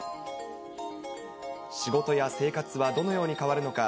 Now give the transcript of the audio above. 仕事や生活はどのように変わるのか。